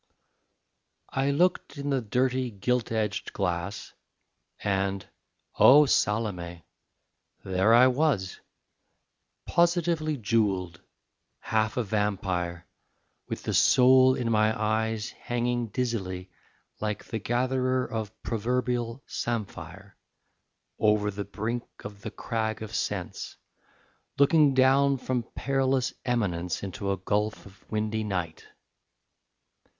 I looked in the dirty gilt edged glass, And, oh Salome; there I was Positively jewelled, half a vampire, With the soul in my eyes hanging dizzily Like the gatherer of proverbial samphire Over the brink of the crag of sense, Looking down from perilous eminence Into a gulf of windy night.